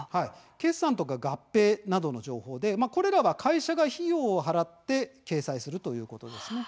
決算や合併などの情報でこれらは会社が費用を払って掲載するということです。